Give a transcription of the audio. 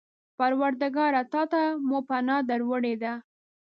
پروردګاره! تا ته مو پناه در وړې ده.